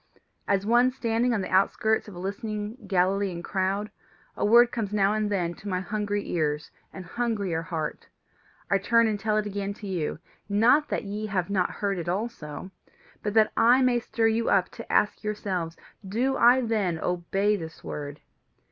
As one standing on the outskirts of a listening Galilean crowd, a word comes now and then to my hungry ears and hungrier heart: I turn and tell it again to you not that ye have not heard it also, but that I may stir you up to ask yourselves: 'Do I then obey this word?